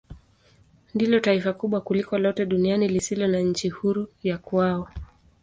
Ndilo taifa kubwa kuliko lote duniani lisilo na nchi huru ya kwao.